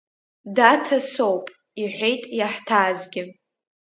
Даҭа соуп, – иҳәеит иаҳҭаазгьы.